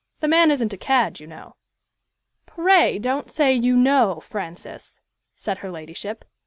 The man isn't a cad, you know." "Pray don't say 'you know,' Francis," said her ladyship.